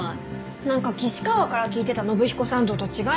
なんか岸川から聞いてた信彦さん像と違いますね。